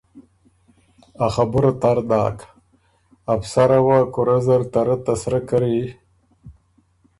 ا خبُره تر داک۔ ا افسره وه کُورۀ زر ته رۀ ته سِرۀ کری